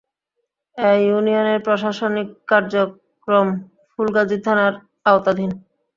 এ ইউনিয়নের প্রশাসনিক কার্যক্রম ফুলগাজী থানার আওতাধীন।